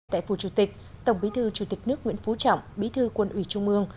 tại phủ chủ tịch tổng bí thư chủ tịch nước nguyễn phú trọng bí thư quân ủy trung ương